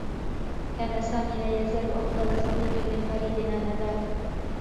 كان سامي لا يزال أفضل صديق لفريد آنذاك.